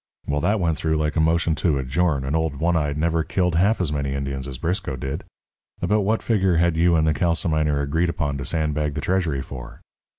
Well, that went through like a motion to adjourn, and old One Eyed never killed half as many Indians as Briscoe did. About what figure had you and the calciminer agreed upon to sandbag the treasury for?"